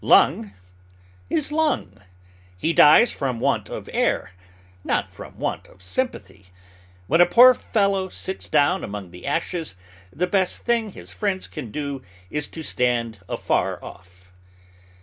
Lung is lung. He dies from want of air, not from want of sympathy. When a poor fellow sits down among the ashes, the best thing his friends can do is to stand afar off.